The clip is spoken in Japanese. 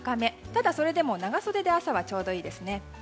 ただ、それでも長袖で朝はちょうどいいですね。